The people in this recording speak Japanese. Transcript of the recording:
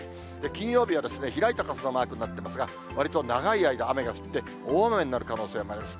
金曜日は開いた傘マークになっていますが、わりと長い間雨が降って、大雨になる可能性もあります。